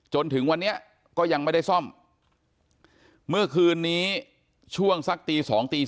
จนถึงวันนี้ก็ยังไม่ได้ซ่อมเมื่อคืนนี้ช่วงสักตี๒ตี๓